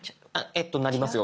えっとなりますよ